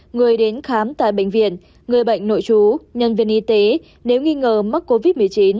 người đến khám tại bệnh viện người bệnh nội chú nhân viên y tế nếu nghi ngờ mắc covid một mươi chín